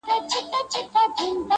په محبت کي يې بيا دومره پيسې وغوښتلې,